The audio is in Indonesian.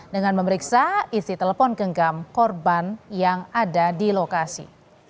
dengan memeriksa isi telepon genggam korban yang ada di lokasi